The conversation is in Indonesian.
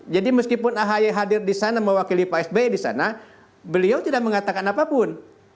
jadi meskipun ahy hadir di sana mewakili pak sby di sana beliau tidak mengatakan apapun